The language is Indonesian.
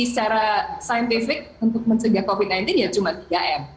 secara saintifik untuk mencegah covid sembilan belas ya cuma tiga m